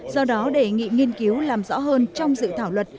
do đó đề nghị nghiên cứu làm rõ hơn trong dự thảo luật